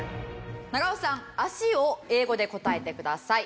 長尾さん「脚」を英語で答えてください。